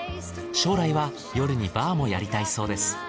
将来は夜にバーもやりたいそうです。